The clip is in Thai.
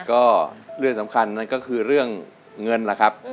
ก็เรื่องสำคัญนั่นก็คือเรื่องเงินล่ะครับ